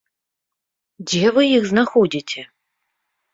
Дзе вы іх знаходзіце?